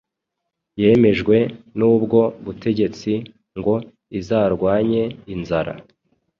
yemejwe n'ubwo butegetsi ngo izarwanye inzara.